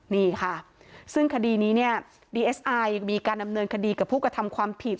นี่ค่ะซึ่งคดีนี้เนี่ยดีเอสไอมีการดำเนินคดีกับผู้กระทำความผิด